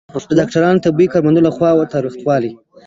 د ډاکټرانو یا طبي کارمندانو لخوا تاوتریخوالی